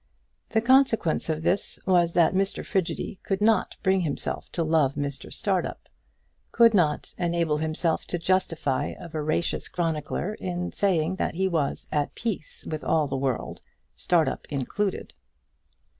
The consequence of this was that Mr Frigidy could not bring himself to love Mr Startup, could not enable himself to justify a veracious chronicler in saying that he was at peace with all the world, Startup included.